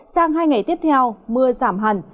sang hai ngày tiếp theo mưa giảm hẳn